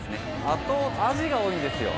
あとアジが多いんですよ。